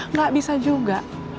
nggak bisa juga